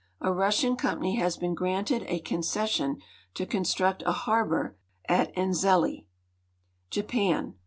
A Russian company has been granted a concession to construct a harbor at Enzeli. Japan.